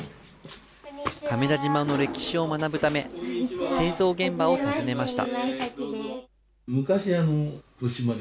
亀田縞の歴史を学ぶため、製造現場を訪ねました。